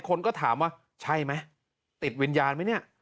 คนก็ถามว่าใช่ไหมติดวิญญาณไหมเนี่ย